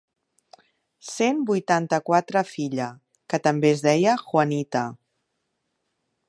Cent vuitanta-quatre filla, que també es deia Juanita.